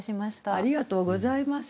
ありがとうございます。